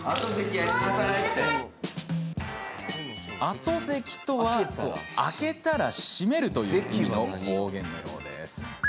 あとぜきとは開けたら閉めるという意味の方言のようです。